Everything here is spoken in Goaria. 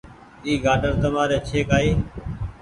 اي گآڊر تمآري ڇي ڪآئي